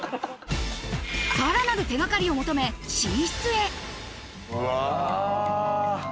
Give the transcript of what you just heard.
さらなる手掛かりを求めうわ！